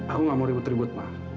aku nggak mau ribut ribut ma